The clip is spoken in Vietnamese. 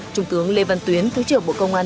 trung tướng lê văn tuyến thứ trưởng bộ công an